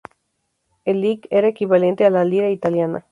El lek era equivalente a la lira italiana.